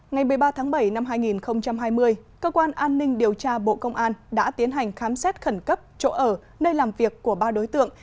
ngày một mươi ba tháng bảy năm hai nghìn hai mươi cơ quan an ninh điều tra bộ công an đã tiến hành khám xét khẩn cấp chỗ ở nơi làm việc của ba đối tượng